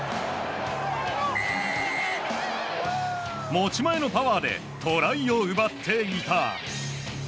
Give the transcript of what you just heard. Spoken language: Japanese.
持ち前のパワーでトライを奪っていた。